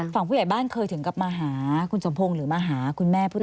ผู้ใหญ่บ้านเคยถึงกลับมาหาคุณสมพงศ์หรือมาหาคุณแม่